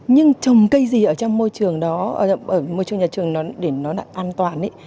nhưng trồng cây gì ở trong môi trường đó ở môi trường nhà trường nó để nó an toàn